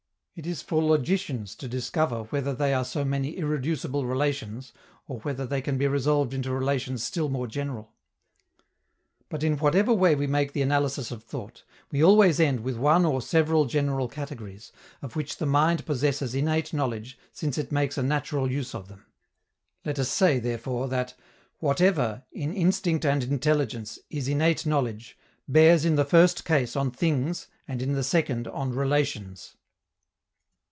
It is for logicians to discover whether they are so many irreducible relations, or whether they can be resolved into relations still more general. But, in whatever way we make the analysis of thought, we always end with one or several general categories, of which the mind possesses innate knowledge since it makes a natural use of them. Let us say, therefore, that whatever, in instinct and intelligence, is innate knowledge, bears in the first case on things and in the second on relations.